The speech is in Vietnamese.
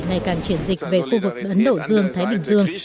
ngày càng chuyển dịch về khu vực ấn độ dương thái bình dương